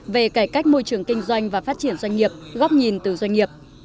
về cải cách môi trường kinh doanh và phát triển doanh nghiệp góc nhìn từ doanh nghiệp